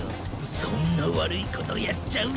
そんなわるいことやっちゃうの？